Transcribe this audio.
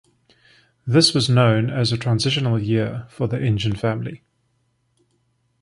This was known as a transitional year for the engine family.